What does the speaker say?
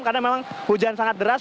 karena memang hujan sangat deras